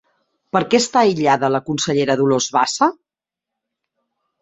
Per què està aïllada la consellera Dolors Bassa?